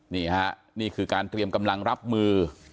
นี่คือการเตรียมกำลังรับมือ